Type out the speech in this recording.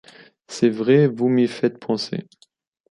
C’est vrai, vous m’y faites penser.